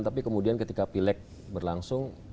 tapi kemudian ketika pileg berlangsung